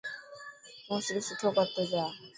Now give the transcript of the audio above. تو صرف سٺو ڪرتو جا.